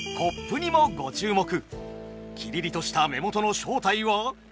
キリリとした目元の正体は。